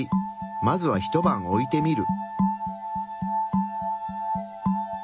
まずはひと晩置いてみる。